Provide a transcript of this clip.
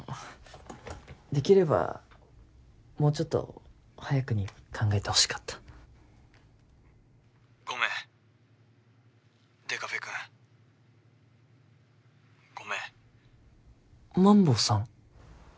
できればもうちょっと早くに考えてほしかった☎ごめんデカフェ君☎ごめんマンボウさん？